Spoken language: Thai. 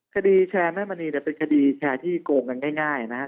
คดีแชร์แม่มณีเป็นคดีแชร์ที่โกงกันง่ายนะครับ